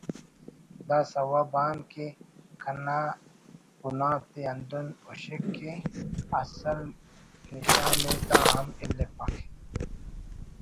داسوب آن ءِ کہ گناہ تے ہندن ہشک کہ اسل نشان ءِ تا ہم الیپک